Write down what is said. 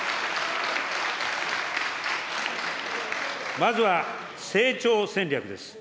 まずは、成長戦略です。